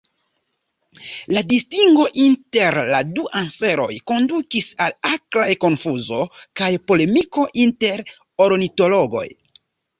La distingo inter la du anseroj kondukis al akraj konfuzo kaj polemiko inter ornitologoj.